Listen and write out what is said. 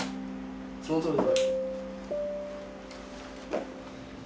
そのとおりだ。